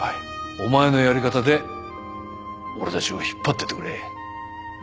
お前のやり方で俺たちを引っ張ってってくれ。